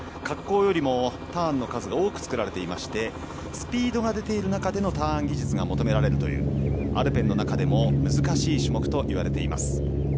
滑降よりもターンの数が多く作られておりスピードが出ている中でのターン技術が求められるというアルペンの中でも難しい種目といわれます。